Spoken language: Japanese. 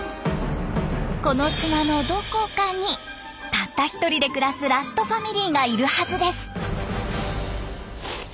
この島のどこかにたった１人で暮らすラストファミリーがいるはずです。